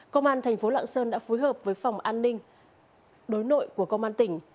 công an thành phố lạng sơn đã phối hợp với phòng an ninh đối nội của công an tỉnh